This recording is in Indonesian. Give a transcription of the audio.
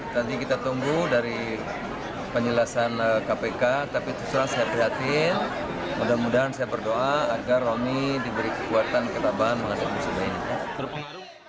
tadi kita tunggu dari penjelasan kpk tapi setelah saya prihatin mudah mudahan saya berdoa agar romi diberi kekuatan ketaban menghadapi musim ini